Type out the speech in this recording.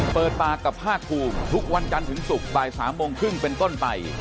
เปิดปากกับภาคภูมิทุกวันจันทร์ถึงศุกร์บ่าย๓โมงครึ่งเป็นต้นไป